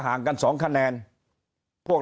เพราะสุดท้ายก็นำไปสู่การยุบสภา